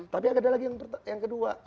tapi agak ada lagi yang kedua